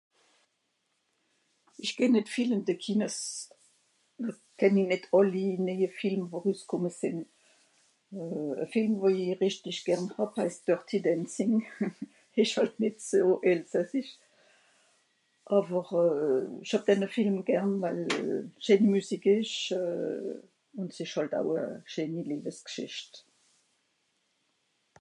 "Ìch geh nìt viel ìn de Kines, kenn i nìt àlli néie Film, wo rüskùmme sìnn. E Film, wo i rìchtisch gern hàb, heist d'r ""tea dancing"". Ìsch hàlt nìt zù elsassisch. Àwer, euh... ìch hàb denne Film gern, wal scheen Müsik ìsch euh..., ùn s'ìsch hàlt au e schenni Liebesgschìcht."